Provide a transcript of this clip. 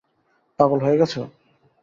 পাগল হয়ে গেছ?